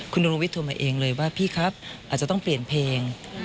คุณนรวิทยโทรมาเองเลยว่าพี่ครับอาจจะต้องเปลี่ยนเพลง